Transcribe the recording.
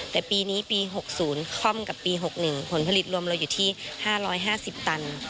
แต่ปีนี้ปี๖๐ค่อมกับปี๖๑ผลผลิตรวมเราอยู่ที่๕๕๐ตัน